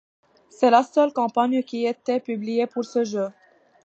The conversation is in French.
C'est la seule campagne qui ait été publiée pour ce jeu.